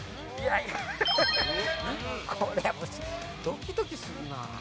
ドキドキするな。